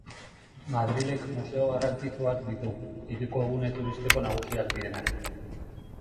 Madrilek museo garrantzitsuak ditu, hiriko gune-turistiko nagusiak direnak.